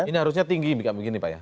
ini harusnya tinggi begini pak ya